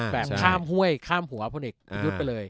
แบบข้ามห้วยข้ามหัวพลเอกประยุทธ์ไปเลย